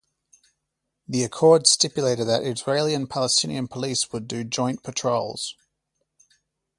The accord stipulated that Israeli and Palestinian police would do joint patrols.